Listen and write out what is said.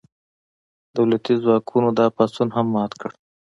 دولتي ځواکونو دا پاڅون هم مات کړ.